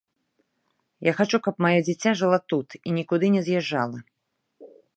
Я хачу, каб маё дзіця жыла тут і нікуды не з'язджала.